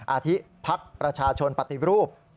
อาทิพักประชาชนปฏิรูป